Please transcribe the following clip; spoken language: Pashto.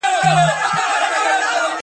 ځمه له سبا سره مېلمه به د خزان یمه .